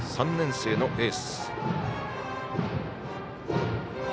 ３年生のエース。